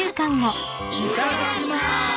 いただきます！